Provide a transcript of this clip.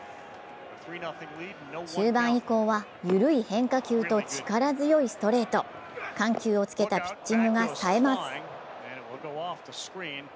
中盤以降は緩い変化球と力強いストレート、緩急をつけたピッチングがさえます。